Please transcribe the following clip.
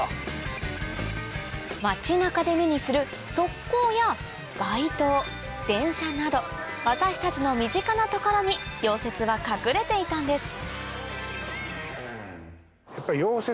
町中で目にする側溝や街灯電車など私たちの身近な所に溶接は隠れていたんです